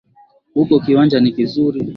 Huko kiwanja ni kizuri